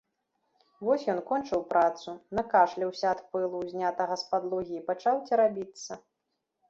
Вось ён кончыў працу, накашляўся ад пылу, узнятага з падлогі, і пачаў церабіцца.